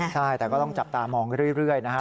ใช่แต่ก็ต้องจับตามองเรื่อยนะฮะ